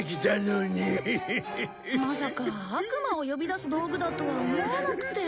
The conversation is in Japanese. まさか悪魔を呼び出す道具だとは思わなくて。